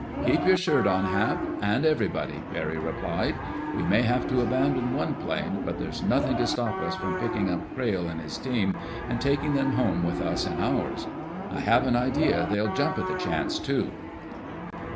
"Keep your shirt on, Hap—and everybody!" Barry replied. "We may have to abandon one plane, but there's nothing to stop us from picking up Crayle and his team and taking them home with us in ours. I have an idea they'll jump at the chance, too!"